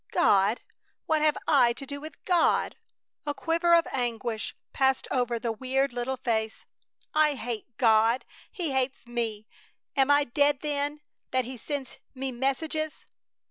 "God! What have I to do with God?" A quiver of anguish passed over the weird little face. "I hate God! He hates me! Am I dead, then, that He sends me messages?"